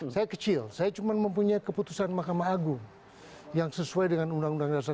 saya kecil saya cuma mempunyai keputusan mahkamah agung yang sesuai dengan undang undang dasar seribu sembilan ratus